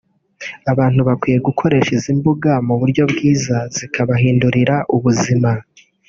abantu bakwiye gukoresha izi mbuga mu buryo bwiza zikabahindurira ubuzima